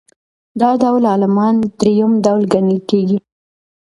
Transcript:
دا ډول عالمان درېیم ډول ګڼل کیږي.